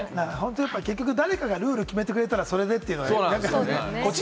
結局、誰かがルールを決めてくれたら、これでって。